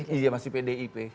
iya masih pdip